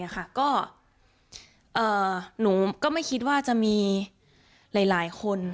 ก็หนูก็ไม่คิดว่าจะมีหลายคน